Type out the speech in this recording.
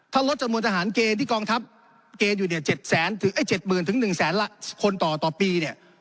ถ้าลดจำนวนทหารเกณฑ์ที่กองทัพเกณฑ์อยู่เนี่ย๗๐๐๑แสนคนต่อปีเนี่ย